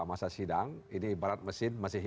masa sidang ini ibarat mesin masih